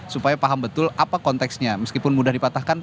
supaya paham betul apa konteksnya meskipun mudah dipatahkan